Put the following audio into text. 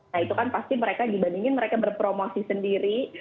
nah itu kan pasti mereka dibandingin mereka berpromosi sendiri